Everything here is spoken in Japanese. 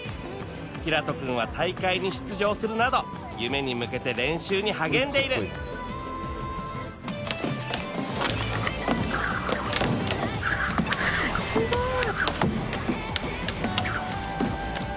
煌人くんは大会に出場するなど夢に向けて練習に励んでいるすごい。